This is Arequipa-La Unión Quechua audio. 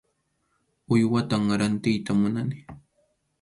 Uywatam rantiyta munani.